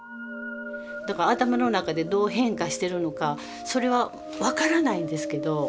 だから頭の中でどう変化してるのかそれは分からないんですけど。